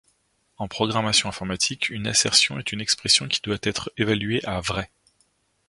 En programmation informatique, une assertion est une expression qui doit être évaluée à vrai.